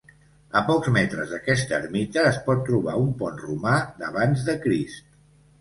A pocs metres d'aquesta ermita es pot trobar un pont romà d'abans de Crist.